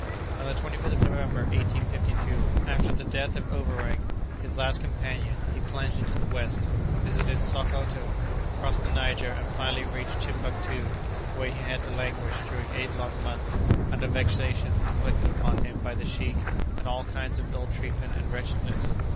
On the 25th of November, 1852, after the death of Overweg, his last companion, he plunged into the west, visited Sockoto, crossed the Niger, and finally reached Timbuctoo, where he had to languish, during eight long months, under vexations inflicted upon him by the sheik, and all kinds of ill treatment and wretchedness.